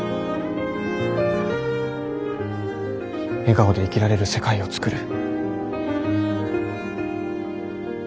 笑顔で生きられる世界を創る。